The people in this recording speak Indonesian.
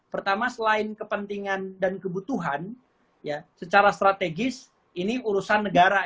pertama selain kepentingan dan kebutuhan secara strategis ini urusan negara